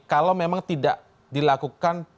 kalau memang tidak dilakukan